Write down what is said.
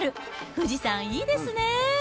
富士山いいですね。